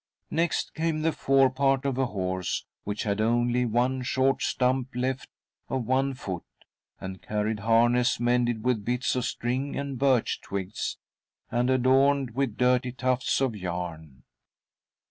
Next came the fore part of a horse, which had only one short stump left of one foot, and carried harness mended with bits of string and birch twigs, and adorned with dirty tufts of yarn.